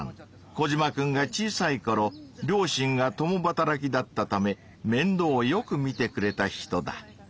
コジマくんが小さいころ両親が共働きだったためめんどうをよくみてくれた人だ。